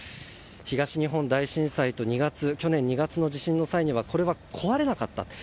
東日本大震災と去年２月の地震の際にはこれは壊れなかった。